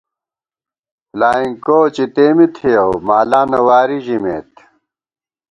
فلائینگ کوچ اِتےمی تھِیَؤ، مالانہ واری ژِمېت